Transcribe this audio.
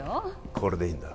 これでいいんだ